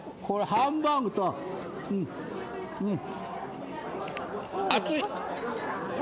ハンバーグと熱い！